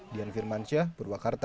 dian firmansyah purwakarta